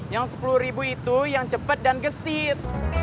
yang sepuluh ribu itu yang cepat dan gesit